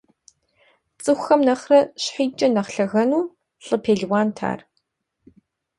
ЦӀыхухэм нэхърэ щхьитӀкӀэ нэхъ лъэгэну лӀы пелуант ар.